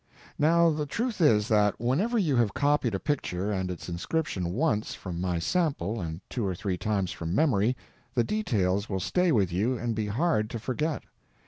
Now the truth is that whenever you have copied a picture and its inscription once from my sample and two or three times from memory the details will stay with you and be hard to forget.